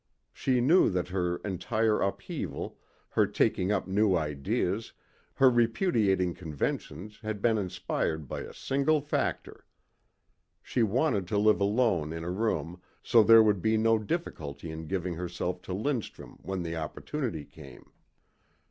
She knew that her entire upheaval, her taking up new ideas, her repudiating conventions had been inspired by a single factor. She wanted to live alone in a room so there would be no difficulty in giving herself to Lindstrum when the opportunity came.